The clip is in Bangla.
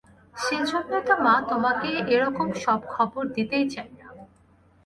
সেইজন্যই তো মা, তোমাকে এরকম সব খবর দিতেই চাই না।